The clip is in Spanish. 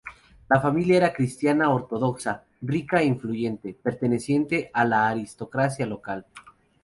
La familia era cristiana ortodoxa, rica e influyente, perteneciente a la aristocracia local.